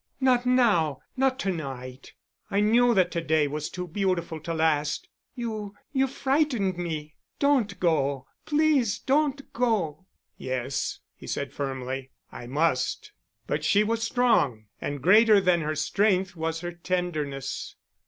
Not now—not to night. I knew that to day was too beautiful to last. You—you've frightened me. Don't go—please don't go." "Yes," he said firmly. "I must." But she was strong, and greater than her strength was her tenderness.